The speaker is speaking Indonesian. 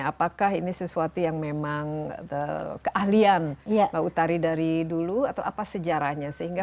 apakah ini sesuatu yang memang keahlian pak utari dari dulu atau apa sejarahnya